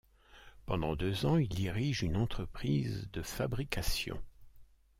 Pendant deux ans, il dirige une entreprise de fabrication.